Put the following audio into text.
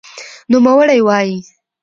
نوموړې وايي